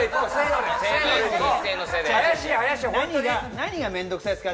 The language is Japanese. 何が面倒くさいですか？